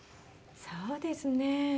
そうですね